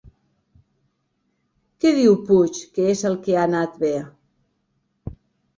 Què diu Puig que és el que ha anat bé?